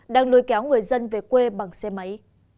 đang lôi kéo người dân về quê bằng xe máy